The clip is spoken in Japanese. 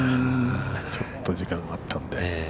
ちょっと時間があったんで。